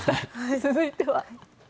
続いては。